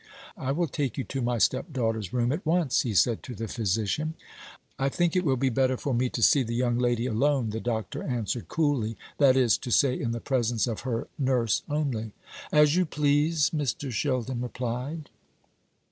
"I will take you to my stepdaughter's room at once," he said to the physician. "I think it will be better for me to see the young lady alone," the doctor answered coolly: "that is to say, in the presence of her nurse only." "As you please," Mr. Sheldon replied.